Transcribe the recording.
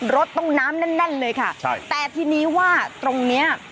รถต้องน้ำแน่นแน่นเลยค่ะใช่แต่ทีนี้ว่าตรงเนี้ย